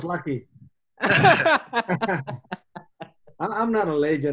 saya bukan seorang legenda dia cuma beruntung man